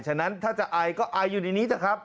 ฉะนั้นถ้าจะอายก็อายอยู่ในนี้เถอะครับ